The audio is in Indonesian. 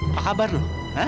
apa kabar lu